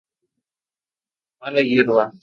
Mala hierba.